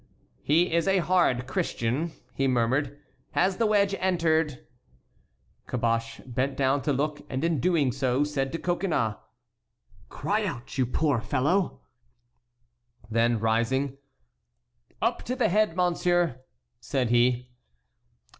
"He is a hard Christian," he murmured; "has the wedge entered?" Caboche bent down to look, and in doing so said to Coconnas: "Cry out, you poor fellow!" Then rising: "Up to the head, monsieur," said he.